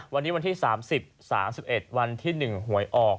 วันนี้วันที่สามสิบสามสิบเอ็ดวันที่หนึ่งหวยออก